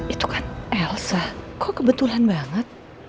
itu kan elsa kok kebetulan banget